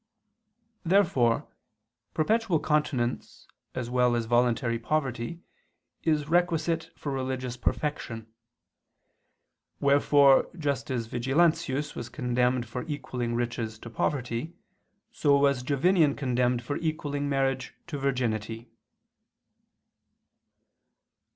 Therefore perpetual continence, as well as voluntary poverty, is requisite for religious perfection. Wherefore just as Vigilantius was condemned for equaling riches to poverty, so was Jovinian condemned for equaling marriage to virginity.